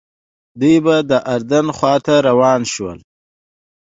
دوی به د اردن خواته روان شول.